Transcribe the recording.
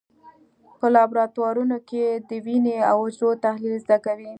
په لابراتوارونو کې د وینې او حجرو تحلیل زده کوي.